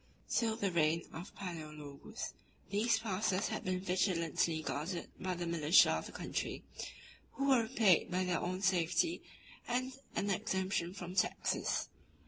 Till the reign of Palæologus, these passes had been vigilantly guarded by the militia of the country, who were repaid by their own safety and an exemption from taxes.